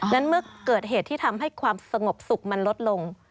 นั้นเมื่อเกิดเหตุที่ทำให้ความสงบสุขมันลดลง